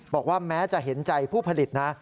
บอกว่าแม้จะเห็นใจผู้ผลิตนะ